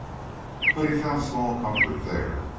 But he found small comfort there.